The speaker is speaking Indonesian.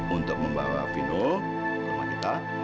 untuk membawa vino ke rumah kita